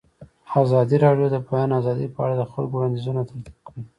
ازادي راډیو د د بیان آزادي په اړه د خلکو وړاندیزونه ترتیب کړي.